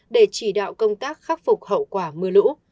để chỉ đạo công tác khắc phục hậu quả mưa lũ